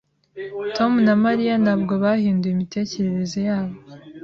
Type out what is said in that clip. Tom na Mariya ntabwo bahinduye imitekerereze yabo.